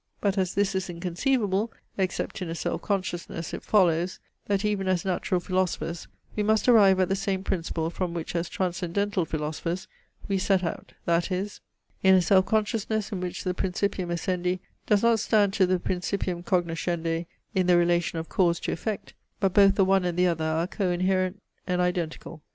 But as this is inconceivable, except in a self consciousness, it follows, that even as natural philosophers we must arrive at the same principle from which as transcendental philosophers we set out; that is, in a self consciousness in which the principium essendi does not stand to the principlum cognoscende in the relation of cause to effect, but both the one and the other are co inherent and identical.